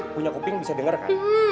punya kuping bisa denger kan